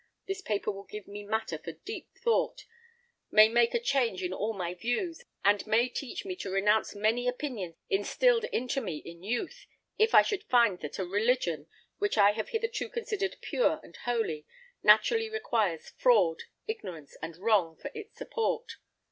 This paper will give me matter for deep thought, may make a change in all my views, and may teach me to renounce many opinions instilled into me in youth, if I should find that a religion, which I have hitherto considered pure and holy, naturally requires fraud, ignorance, and wrong, for its support.